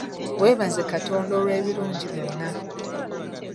Weebaze Katonda olw'ebirungi byonna .